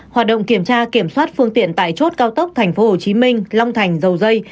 hoạt động kiểm tra kiểm soát phương tiện tải chốt cao tốc thành phố hồ chí minh long thành dầu dây